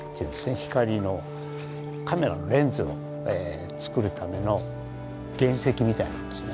光のカメラのレンズを作るための原石みたいなもんですね。